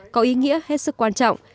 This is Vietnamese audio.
có ý nghĩa hết sức quan trọng